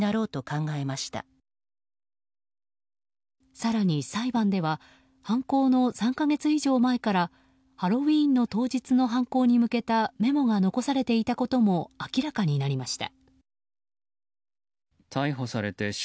更に、裁判では犯行の３か月以上前からハロウィーンの当日の犯行に向けたメモが残されていたことも明らかになりました。